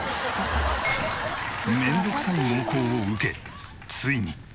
面倒くさい猛攻を受けついに。